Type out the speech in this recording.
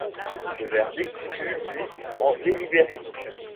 Le verdict fut mis en délibéré.